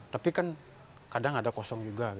tapi kan kadang ada kosong juga